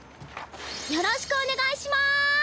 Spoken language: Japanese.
よろしくお願いします！